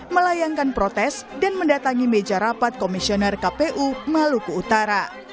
melayangkan protes dan mendatangi meja rapat komisioner kpu maluku utara